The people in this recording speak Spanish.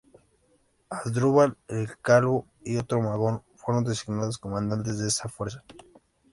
Asdrúbal el Calvo y otro Magón fueron designados comandantes de esta fuerza.